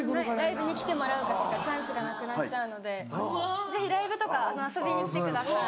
ライブに来てもらうかしかチャンスがなくなっちゃうのでぜひライブとか遊びに来てください。